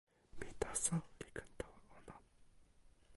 mi taso li ken tawa ona.